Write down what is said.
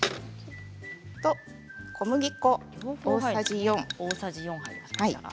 小麦粉、大さじ４。